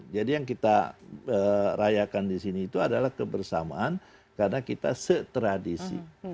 jadi yang kita rayakan di sini itu adalah kebersamaan karena kita setradisi